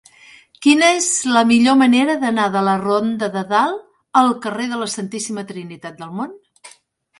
Quina és la millor manera d'anar de la ronda de Dalt al carrer de la Santíssima Trinitat del Mont?